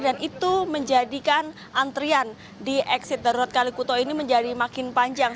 dan itu menjadikan antrian di eksit darurat kalikuto ini menjadi makin panjang